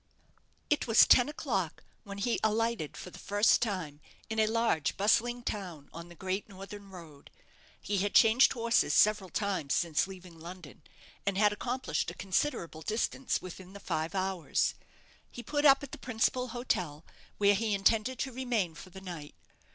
It was ten o'clock when he alighted for the first time in a large, bustling town on the great northern road. He had changed horses several times since leaving London, and had accomplished a considerable distance within the five hours. He put up at the principal hotel, where he intended to remain for the night.